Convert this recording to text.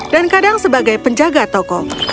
dan kadang sebagai penjaga tokoh